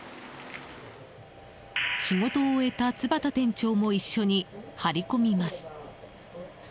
仕事を終えた津幡店長も一緒に張り込みます。